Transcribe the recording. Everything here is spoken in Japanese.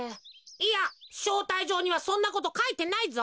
いやしょうたいじょうにはそんなことかいてないぞ。